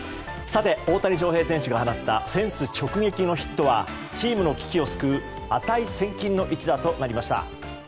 大谷翔平選手が放ったフェンス直撃のヒットはチームの危機を救う値千金の一打となりました。